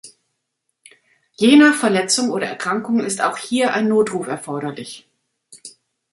Je nach Verletzung oder Erkrankung ist auch hier ein Notruf erforderlich.